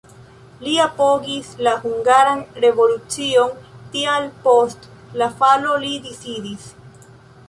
Li apogis la Hungaran revolucion, tial post la falo li disidis.